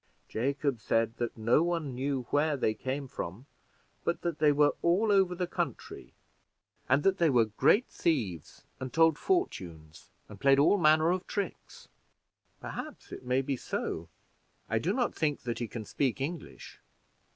Jacob said that no one knew where they came from, but that they were all over the country, and that they were great thieves, and told fortunes, and played all manner of tricks." "Perhaps it may be so; I do not think that he can speak English."